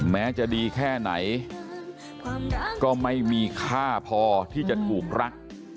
แม้จะดีแค่ไหนก็ไม่มีค่าพอที่จะถูกรัก